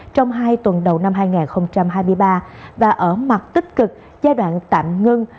trong hai tuần đầu năm hai nghìn hai mươi ba và ở mặt tích cực giai đoạn tạm ngưng